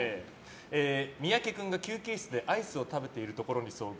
三宅君が休憩室でアイスを食べているところに遭遇。